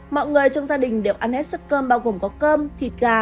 mọi người trong gia đình đều ăn hết sức cơm bao gồm có cơm thịt gà